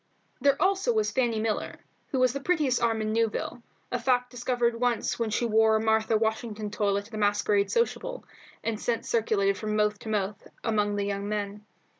There also was Fanny Miller, who had the prettiest arm in Newville, a fact discovered once when she wore a Martha Washington toilet at a masquerade sociable, and since circulated from mouth to mouth among the young men.